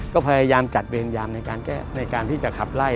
ก็พยายามจัดเวรยามในการแก้ในการที่จะขับไล่